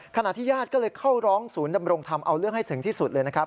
ขณะที่ญาติก็เลยเข้าร้องศูนย์ดำรงธรรมเอาเรื่องให้ถึงที่สุดเลยนะครับ